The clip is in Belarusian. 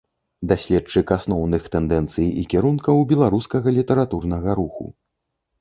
Даследчык асноўных тэндэнцый і кірункаў беларускага літаратурнага руху.